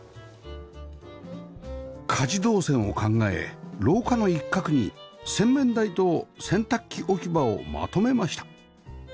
家事動線を考え廊下の一角に洗面台と洗濯機置き場をまとめました